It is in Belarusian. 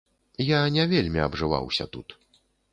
Я не вельмі абжываўся тут.